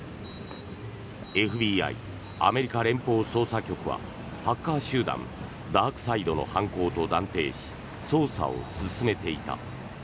ＦＢＩ・アメリカ連邦捜査局はハッカー集団ダークサイドの犯行と断定し捜査を進めていた。